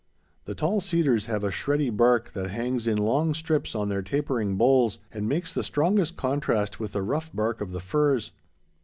The tall cedars have a shreddy bark that hangs in long strips on their tapering boles and makes the strongest contrast with the rough bark of the firs.